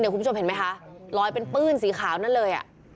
คุณผู้ชมเห็นไหมคะลอยเป็นปื้นสีขาวนั่นเลย